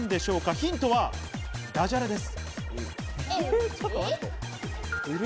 ヒントはダジャレです。